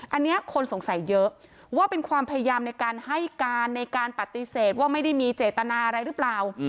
อันนี้คนสงสัยเยอะว่าเป็นความพยายามในการให้การในการปฏิเสธว่าไม่ได้มีเจตนาอะไรหรือเปล่า